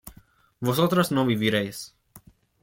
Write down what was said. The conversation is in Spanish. vosotras no viviréis